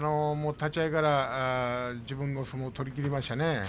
立ち合いから自分の相撲を取りきりましたね。